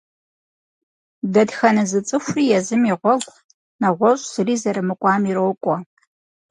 Дэтхэнэ зы зы цӏыхури езым и гъуэгу, нэгъуэщӀ зыри зэрымыкӀуам, ирокӀуэ.